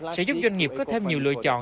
sẽ giúp doanh nghiệp có thêm nhiều lựa chọn